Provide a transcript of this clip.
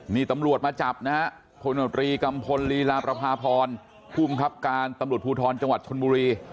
นี่ตำรวจมาจับนะฮะพลโนตรีกัมพลลีลาประพาพรผู้บังคับการตำรวจภูทรจังหวัดชนบุรี